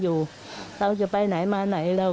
ลูกสาวกันโตเข้าไปทำงานแล้ว